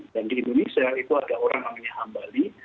dan di indonesia itu ada orang namanya ambali